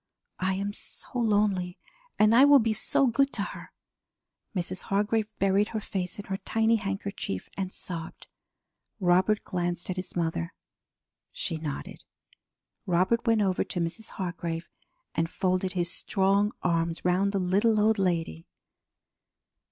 I am so lonely, and I will be so good to her!" Mrs. Hargrave buried her face in her tiny handkerchief and sobbed. Robert glanced at his mother. She nodded. Robert went over to Mrs. Hargrave and folded his strong arms round the little old lady.